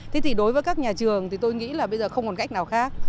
thế thì đối với các nhà trường thì tôi nghĩ là bây giờ không còn cách nào khác